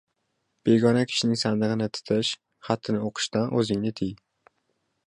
– begona kishining sandig‘ini titish, xatini o‘qishdan o‘zingni tiy.